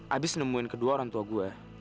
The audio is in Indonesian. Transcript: abis nemuin kedua orang tua gue